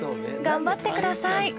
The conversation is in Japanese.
頑張ってください。